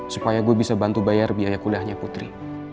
supaya gue bisa bantu bayar biaya kuliahnya putri